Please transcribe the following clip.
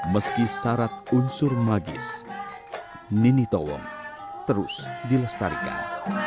meski syarat unsur magis nini towong terus dilestarikan